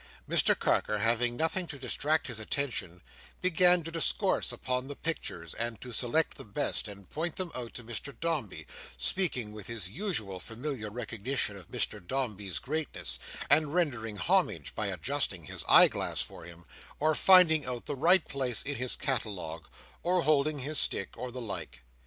Mr Carker now, having nothing to distract his attention, began to discourse upon the pictures and to select the best, and point them out to Mr Dombey: speaking with his usual familiar recognition of Mr Dombey's greatness, and rendering homage by adjusting his eye glass for him, or finding out the right place in his catalogue, or holding his stick, or the like.